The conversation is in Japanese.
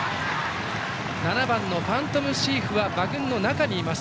７番ファントムシーフは中にいます。